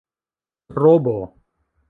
robo